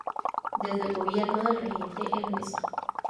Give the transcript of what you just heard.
Desde el gobierno del Regente Ernesto.